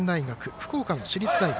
福岡の私立大学。